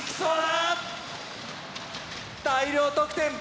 大量得点！